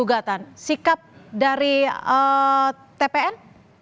dan kejahatan sikap dari tpn